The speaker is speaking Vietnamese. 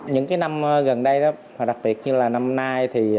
những năm gần đây đặc biệt như năm nay